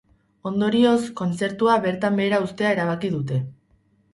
Ondorioz, kontzertua bertan behera uztea erabaki dute.